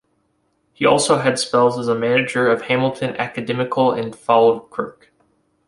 He also had spells as manager of Hamilton Academical and Falkirk.